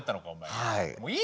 はい。